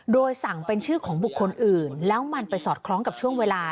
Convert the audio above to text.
โดยสั่งเป็นชื่อของบุคคลอื่นแล้วมันไปสอดคล้องกับช่วงเวลา